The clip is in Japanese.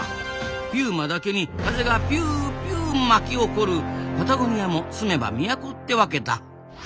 ピューマだけに風がピューピュー巻き起こるパタゴニアも住めば都ってわけだ。